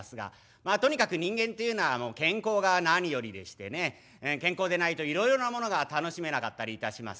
まあとにかく人間っていうのは健康が何よりでしてね健康でないといろいろなものが楽しめなかったりいたします。